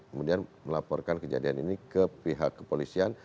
kemudian melaporkan kejadian ini ke pihak kepolisian